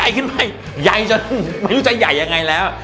ยายจนไม่รู้จะหยายยังไงแล้ว